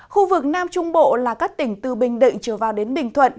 khu vực nam trung bộ là các tỉnh từ bình định trở vào đến bình thuận